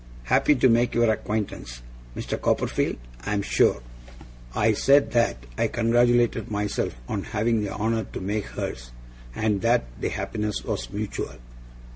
Happy to make your acquaintance, Mr. Copperfield, I'm sure.' I said that I congratulated myself on having the honour to make hers, and that the happiness was mutual.